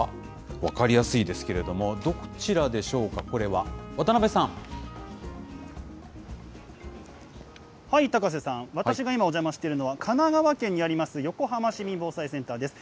分かりやすいですけれども、どちらでしょうか、これは。高瀬さん、私が今、お邪魔しているのは、神奈川県にあります、横浜市民防災センターです。